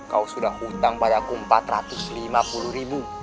kau sudah utang padaku empat ratus lima puluh ribu